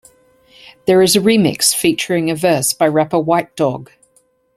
There is a remix featuring a verse by rapper White Dawg.